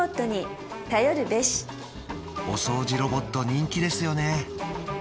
お掃除ロボット人気ですよね